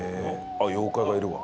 あっ妖怪がいるわ。